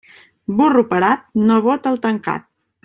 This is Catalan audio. Burro parat no bota el tancat.